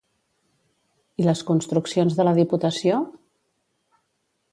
I les construccions de la Diputació?